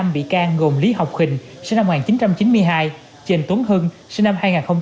năm bị can gồm lý học hình sinh năm một nghìn chín trăm chín mươi hai trần tuấn hưng sinh năm hai nghìn hai